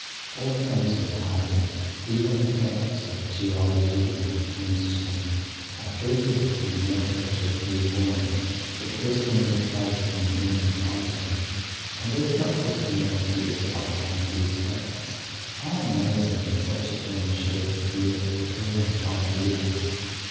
All things with Mr. Hardy even the facts of geology and chemistry are treated with that imaginative clairvoyance that gives them their place in the human comedy. And is not Christianity itself one of these facts? How amazing that such a thing should have appeared at all upon the earth!